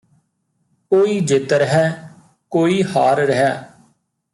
ਕੋਈ ਜਿੱਤ ਰਿਹੈ ਕੋਈ ਹਾਰ ਰਿਹੈ